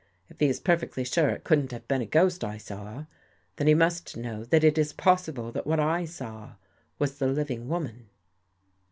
If he is per fectly sure it couldn't have been a ghost I saw, then he must know that it is possible that what I saw was the living woman."